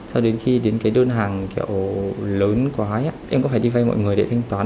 sau đến khi đến cái đơn hàng kiểu lớn quá em có phải đi vay mọi người để thanh toán